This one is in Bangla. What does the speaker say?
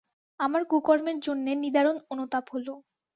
আমার কুকর্মের জন্যে নিদারুণ অনুতাপ হল।